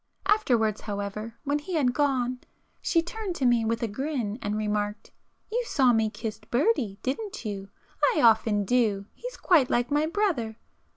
Afterwards however, when he had gone, she turned to me with a grin and remarked—"You saw me kiss Bertie, didn't you? I often do; he's quite like my brother!"